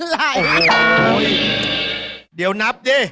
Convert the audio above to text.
เวลาดีเล่นหน่อยเล่นหน่อย